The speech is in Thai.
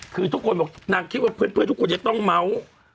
คือทุกเคภื่อทุกคนจะต้องเมา